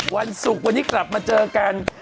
วันศุกร์วันนี้กลับมาเจอกัน